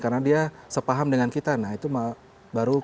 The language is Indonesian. karena dia sepaham dengan kita nah itu baru